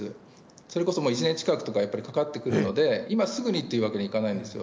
それこそ１年近くとか、やっぱりかかってくるので、今すぐにっていうわけにはいかないんですよ。